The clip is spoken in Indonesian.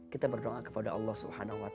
kita berdoa kepada allah swt